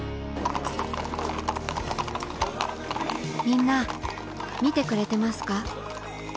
みんな見てくれてますか？